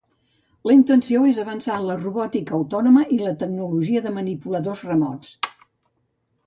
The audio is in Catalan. La intenció és avançar en la robòtica autònoma i la tecnologia de manipuladors remots.